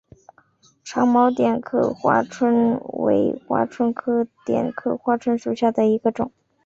长毛点刻花蝽为花蝽科点刻花椿属下的一个种。